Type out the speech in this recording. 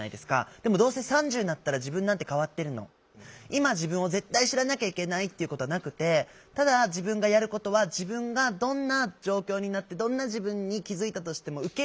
今自分を絶対知らなきゃいけないっていうことはなくてただ自分がやることは自分がどんな状況になってどんな自分に気付いたとしても受け入れる。